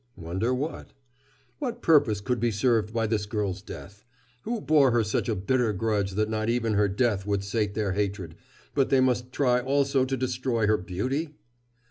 "Wonder what?" "What purpose could be served by this girl's death. Who bore her such a bitter grudge that not even her death would sate their hatred, but they must try also to destroy her beauty?"